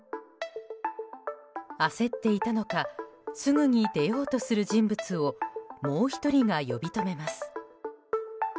焦っていたのかすぐに出ようとする人物をもう１人が呼び止めます。